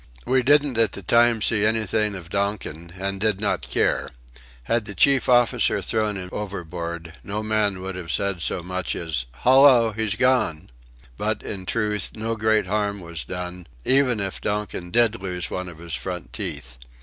We didn't at the time see anything of Donkin, and did not care. Had the chief officer thrown him overboard, no man would have said as much as "Hallo! he's gone!" But, in truth, no great harm was done even if Donkin did lose one of his front teeth.